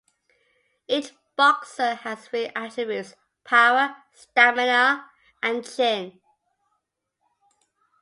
Each boxer has three attributes: 'power', 'stamina', and 'chin'.